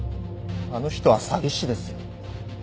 あの人は詐欺師ですよ。